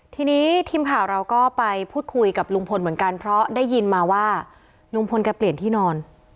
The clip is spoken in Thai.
ทีนี้ทีมข่าวเราก็ไปพูดคุยกับลุงพลเหมือนกันเพราะได้ยินมาว่าลุงพลแกเปลี่ยนที่นอน